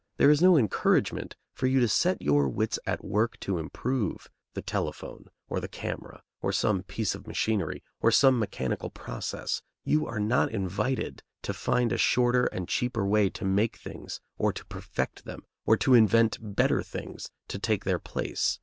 There is no encouragement for you to set your wits at work to improve the telephone, or the camera, or some piece of machinery, or some mechanical process; you are not invited to find a shorter and cheaper way to make things or to perfect them, or to invent better things to take their place.